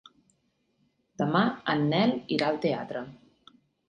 Demà en Nel irà al teatre.